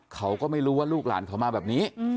เขาก็ไม่รู้ว่าลูกหลานเขามาแบบนี้